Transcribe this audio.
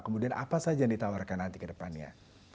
kemudian apa saja yang ditawarkan nanti ke depannya